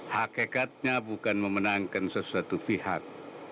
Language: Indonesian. hakikatnya bukan memenangkan sesuatu pihak